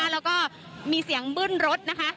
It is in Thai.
แล้วก็มีเสียงบึ้นรถนะคะ